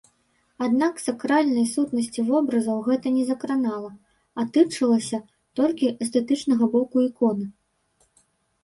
Аднак сакральнай сутнасці вобразаў гэта не закранала, а тычылася толькі эстэтычнага боку іконы.